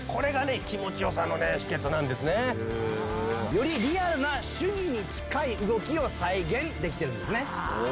よりリアルな手技に近い動きを再現できてるんですね。